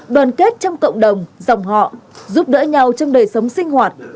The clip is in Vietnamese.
đoàn kết trong cộng đồng dòng họ giúp đỡ nhau trong đời sống sinh hoạt